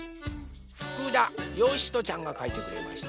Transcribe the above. ふくだよしとちゃんがかいてくれました。